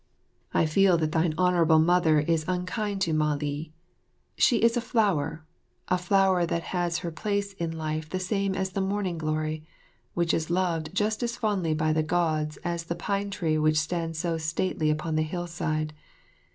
I feel that thine Honourable Mother is unkind to Mah li. She is a flower, a flower that has her place in life the same as the morning glory, which is loved just as fondly by the Gods as the pine tree which stands so stately upon the hillside.